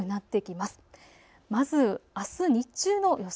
まずあす日中の予想